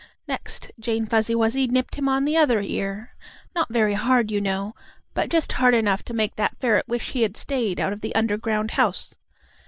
Next Jane Fuzzy Wuzzy nipped him on the other ear; not very hard, you know, but just hard enough to make that ferret wish he had stayed out of the underground house.